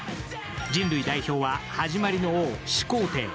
人類代表は始まりの王・始皇帝。